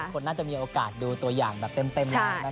คนนะคะมีโอกาสดูตัวอย่างแบบเต็มมากนะคะ